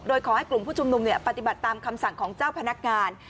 โดยขอให้กลุ่มผู้ชุมนุมปฏิบัติตามคำสั่งของเจ้าพนักงาน